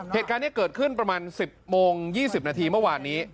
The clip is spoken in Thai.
เหตุการณ์นี้เกิดขึ้นประมาณ๑๐โมง๒๐นาทีเมื่อวานนี้